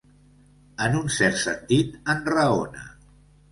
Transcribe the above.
En un cert sentit, enraona.